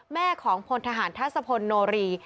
แม่ของพลทหารทัศพลโนรี